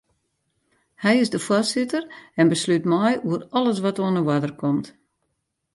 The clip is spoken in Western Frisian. Hy is de foarsitter en beslút mei oer alles wat oan de oarder komt.